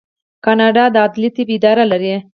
کاناډا د عدلي طب اداره لري.